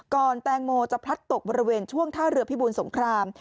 แตงโมจะพลัดตกบริเวณช่วงท่าเรือพิบูลสงคราม